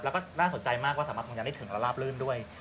แล้วก็น่าสนใจมากว่าสามารถคงจะได้ถึงและลาบลื่นด้วย